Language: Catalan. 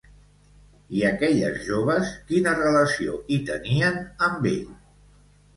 I aquelles joves, quina relació hi tenien amb ell?